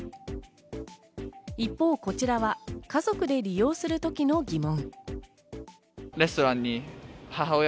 一方こちらは、家族で利用するときの疑問。